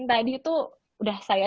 dapat ilmu baru